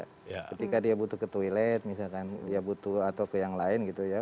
ketika dia butuh ke toilet misalkan dia butuh atau ke yang lain gitu ya